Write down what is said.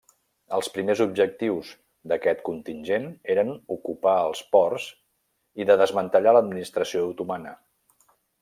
Els primers objectius d'aquest contingent eren ocupar els ports i de desmantellar l'administració otomana.